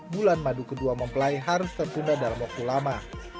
bulan madu kedua mempelai harus tertunda dalam waktu lama